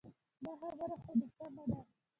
دا خبره خو دې سمه ده.